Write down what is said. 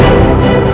aku mau pergi